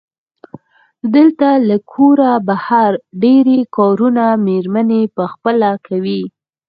دلته له کوره بهر ډېری کارونه مېرمنې پخپله کوي.